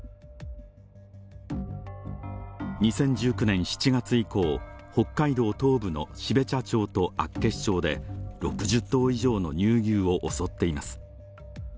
２０１９年７月以降、北海道東部の標茶町と厚岸町で６０頭以上の乳牛を襲っています。